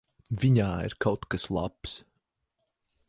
Viņā ir kaut kas labs.